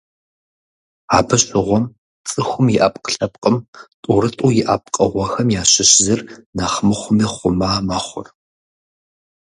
Абы щыгъуэм, цӏыхум и ӏэпкълъпкъым тӏурытӏу иӏэ пкъыгъуэхэм ящыщ зыр нэхъ мыхъуми, хъума мэхъур.